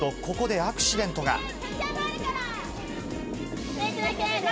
ここでアクシデントが。